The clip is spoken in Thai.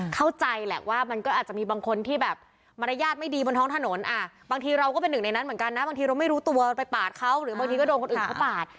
เข้าใจแหละว่ามันก็อาจจะมีบางคนที่แบบมารยาทไม่ดีบนท้องถนนบางทีเราก็เป็นหนึ่งในนั้นเหมือนกันนะบางทีเราไม่รู้ตัวไปปาดเขาหรือบางทีก็โดนคนอื่นเขาปาด